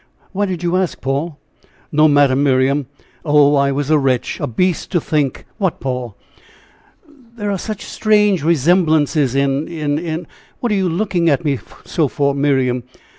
"Why did you ask, Paul?" "No matter, Miriam. Oh! I was a wretch, a beast to think " "What, Paul?" "There are such strange resemblances in in in What are you looking at me so for, Miriam?"